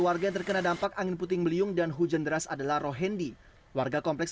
warga yang terkena dampak angin puting beliung dan hujan deras adalah rohendi warga kompleks